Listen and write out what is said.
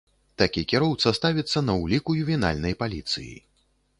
Такі кіроўца ставіцца на ўлік у ювенальнай паліцыі.